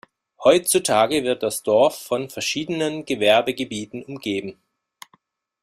Heutzutage wird das Dorf von verschiedenen Gewerbegebieten umgeben.